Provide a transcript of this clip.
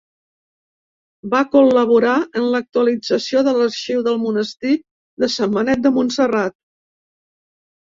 Va col·laborar en l'actualització de l'Arxiu del Monestir de Sant Benet de Montserrat.